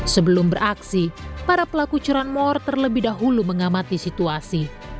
sebelum beraksi para pelaku curanmor terlebih dahulu mengamati situasi